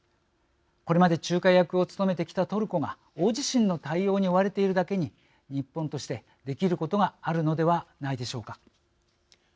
これまで仲介役を務めてきたトルコが大地震の対応に追われているだけに日本としてできることがあるのではないでしょうか。